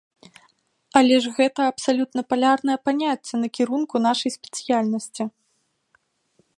Але ж гэта абсалютна палярнае паняцце накірунку нашай спецыяльнасці!